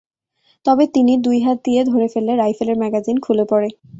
তবে তিনি দুই হাত দিয়ে ধরে ফেললে রাইফেলের ম্যাগাজিন খুলে পড়ে।